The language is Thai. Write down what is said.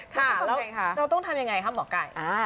ค่ะเราต้องทำอย่างไรครับหมอไก่